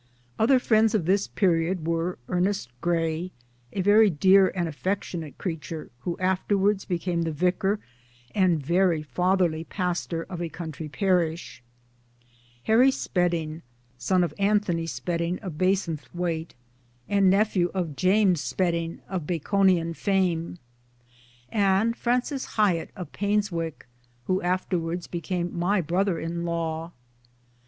Other friends of this period were Ernest Gray a very dear and affectionate creature who afterwards became the Vicar and very fatherly pastor of a country parish ; Harry Spedding, son of Anthony Spedding of Bassenthwaite, and nephew, of James ' 4 8 MY DAYS AND DREAMS Spedding of Baconian fame ; and Francis Hyett of Painswick, who afterwards became my brother in law.